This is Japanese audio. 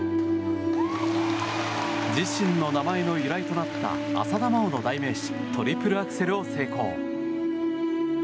自身の名前の由来となった浅田真央の代名詞トリプルアクセルを成功。